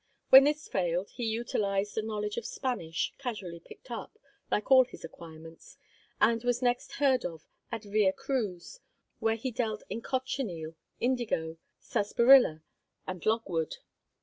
When this failed, he utilized a knowledge of Spanish casually picked up, like all his acquirements and was next heard of at Vera Cruz, where he dealt in cochineal, indigo, sarsaparilla, and logwood.